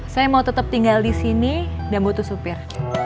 saya mau tetap tinggal di sini dan butuh supir